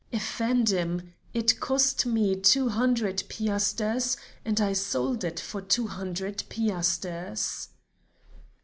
"Effendim, it cost me two hundred piasters, and I sold it for two hundred piasters."